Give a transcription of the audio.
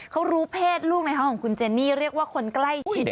เขารู้เพศลูกในห้องของคุณเจนนี่เรียกว่าคนใกล้ชิด